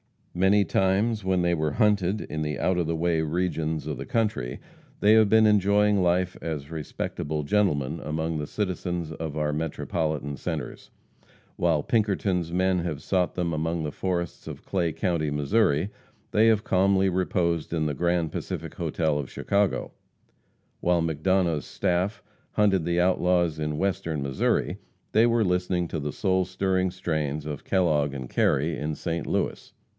Many times when they were hunted in the out of the way regions of the country, they have been enjoying life as respectable gentlemen among the citizens of our Metropolitan centers. While Pinkerton's men have sought them among the forests of Clay county, Missouri, they have calmly reposed in the Grand Pacific hotel of Chicago; while McDonough's "staff" hunted the outlaws in Western Missouri, they were listening to the soul stirring strains of Kellogg and Carey in St. Louis.